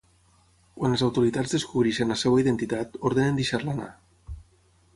Quan les autoritats descobreixen la seva identitat, ordenen deixar-la anar.